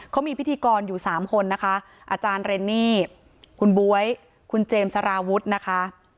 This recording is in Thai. เขามีพิธีกรอยู่๓คนนะคะอาจารย์เรนนี่คุณบ๊วยคุณเจมส์สารวุฒินะคะ